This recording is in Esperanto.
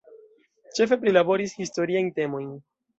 Ĉefe prilaboris historiajn temojn.